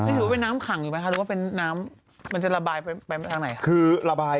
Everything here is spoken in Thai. ถือว่าเป็นน้ำขังไหมหรือว่ามันจะระบายไปไหน